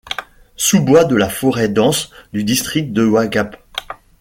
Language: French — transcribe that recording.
Sous-bois de la forêt dense du district de Wagap.